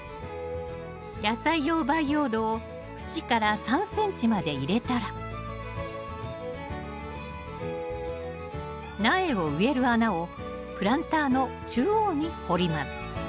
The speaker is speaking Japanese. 野菜用培養土を縁から３ｃｍまで入れたら苗を植える穴をプランターの中央に掘ります